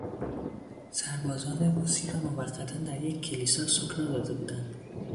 سربازان روسی را موقتا در یک کلیسا سکنی داده بودند.